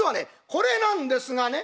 これなんですがね」。